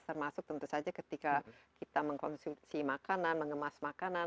termasuk tentu saja ketika kita mengkonsumsi makanan mengemas makanan